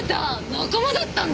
仲間だったんだ！